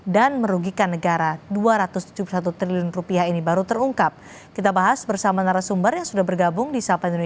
dan merugikan negara dua ratus tujuh puluh satu triliun rupiah ini